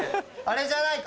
あれじゃない？